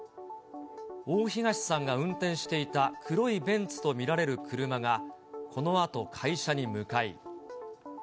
大東さんが運転していたと見られる黒いベンツと見られる車が、このあと会社に向かい。